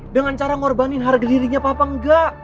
dengan cara ngorbanin harga dirinya papa enggak